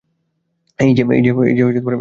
এই যে, এই নাও।